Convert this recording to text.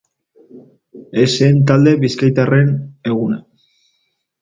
Ez zen talde bizkaitarraren eguna.